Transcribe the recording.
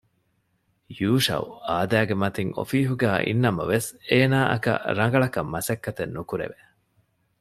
ޔޫޝައު އާދައިގެ މަތިން އޮފީހުގައި އިންނަމަވެސް އޭނާއަކަށް ރަނގަޅަކަށް މަސައްކަތެއް ނުކުރެވެ